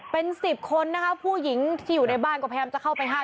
เป็นสิบคนนะคะผู้หญิงที่อยู่ในบ้านก็พยายามจะเข้าไปห้าม